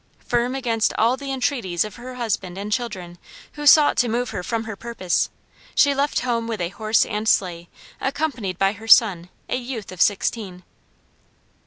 Firm against all the entreaties of her husband and children who sought to move her from her purpose, she left home with a horse and sleigh accompanied by her son, a youth of sixteen.